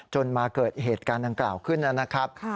มาเกิดเหตุการณ์ดังกล่าวขึ้นนะครับ